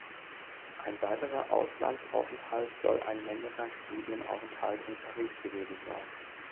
Ein weiterer Auslandsaufenthalt soll ein längerer Studienaufenthalt in Paris gewesen sein.